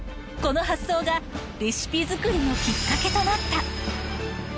この発想が、レシピ作りのきっかけとなった。